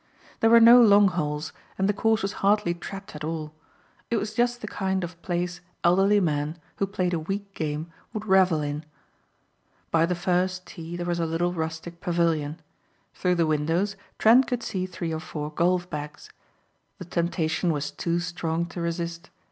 There were no long holes and the course was hardly trapped at all. It was just the kind of place elderly men, who played a weak game, would revel in. By the first tee was a little rustic pavilion. Through the windows Trent could see three or four golf bags. The temptation was too strong to resist.